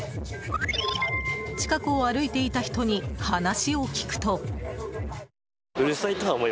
近くを歩いていた人に話を聞くと。